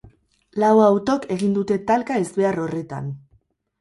Lau autok egin dute talka ezbehar horretan.